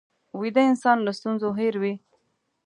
ویده انسان له ستونزو هېر وي